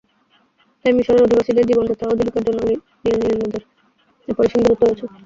তাই মিশরের অধিবাসীদের জীবনযাত্রা ও জীবিকার জন্য নীল নীল নদের অপরিসীম গুরুত্ব রয়েছে।